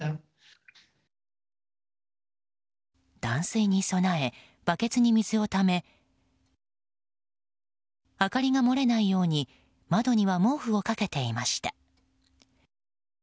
断水に備え、バケツに水をため明かりが漏れないように窓には毛布をかけていました。